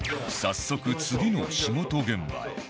早速次の仕事現場へ。